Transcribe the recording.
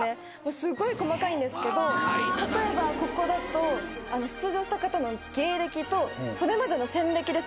すごい細かいんですけど例えばここだと出場した方の芸歴とそれまでの戦歴ですね。